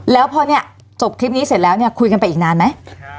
แล้วพอเนี่ยจบคลิปนี้เสร็จแล้วเนี่ยคุยกันไปอีกนานไหม